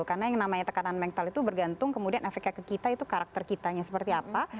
karena yang namanya tekanan mental itu bergantung kemudian efeknya ke kita itu karakter kitanya seperti apa